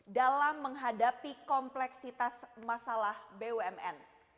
dalam menghadapi kompleksitas masalah bumn